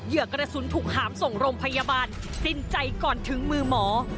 กระสุนถูกหามส่งโรงพยาบาลสิ้นใจก่อนถึงมือหมอ